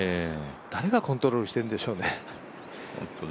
誰がコントロールしてるんでしょうね？